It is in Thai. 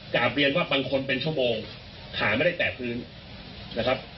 กลับเรียนว่าบางคนเป็นชั่วโมงขาไม่ได้แตะพื้นนะครับ